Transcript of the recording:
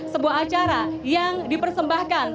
sebuah acara yang dipersembahkan